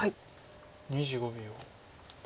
２５秒。